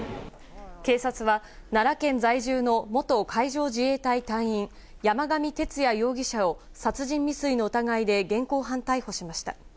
警察は、奈良県在住の元海上自衛隊隊員、山上徹也容疑者を殺人未遂の疑いで現行犯逮捕しました。